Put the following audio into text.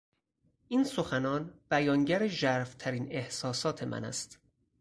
این سخنان بیانگر ژرف ترین احساسات من است.